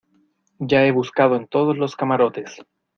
ya he buscado en todos los camarotes.